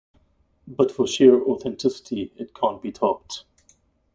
But for sheer authenticity, it can't be topped.